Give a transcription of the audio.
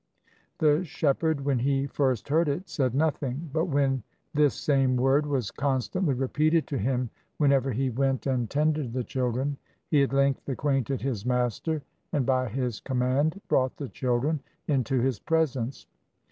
The shepherd, when he first heard it said nothing; but when this same word was constantly repeated to him whenever he went and 30 AN EGYPTIAN EXPERIMENT tended the children, he at length acquainted his master, and by his command brought the children into his pres ence.